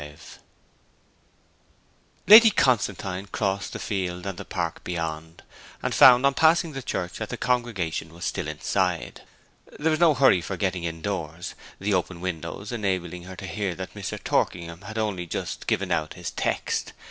XXXV Lady Constantine crossed the field and the park beyond, and found on passing the church that the congregation was still within. There was no hurry for getting indoors, the open windows enabling her to hear that Mr. Torkingham had only just given out his text.